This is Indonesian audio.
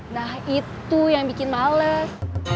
nah itu yang bikin males